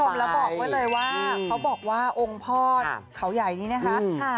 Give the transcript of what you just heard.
แล้วบอกไว้เลยว่าเขาบอกว่าองค์พ่อเขาใหญ่นี่นะครับ